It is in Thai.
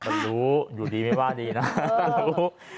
บรรลุอยู่ดีไม่ว่าดีนะบรรลุ